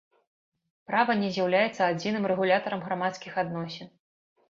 Права не з'яўляецца адзіным рэгулятарам грамадскіх адносін.